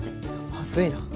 まずいな。